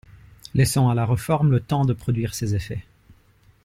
Laissons à la réforme le temps de produire ses effets.